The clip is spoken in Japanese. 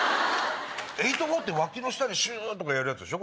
８×４って脇の下にシュとかやるやつでしょ？